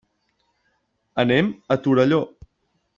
Anem a Torelló.